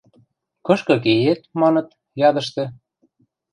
Кышкы кеет? – маныт, ядышты.